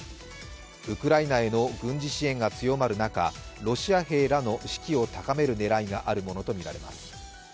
ウクライナへの軍事支援が強まる中、ロシア兵らの士気を高める狙いがあるものとみられます。